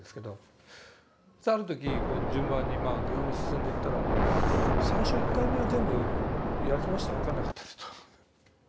ある時順番に読み進んでったら最初１回目は全部やり過ごして分かんなかったんだと思う。